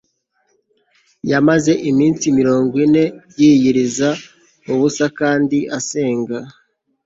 Yamaze iminsi mirongo ine yiyiriza ubusa kandi asenga